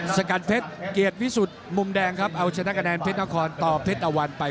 สกัดเพชรเกียรติวิสุทธิ์มุมแดงครับเอาชนะคะแนนเพชรนครต่อเพชรตะวันไป